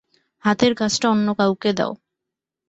হাতের কাজটা অন্য কাউকে দাও।